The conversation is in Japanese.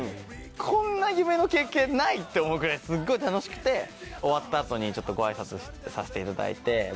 こんな夢の経験ない！って思うぐらいすっごい楽しくて終わった後にごあいさつさせていただいて。